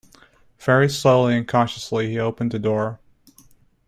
Very slowly and cautiously he opened the door.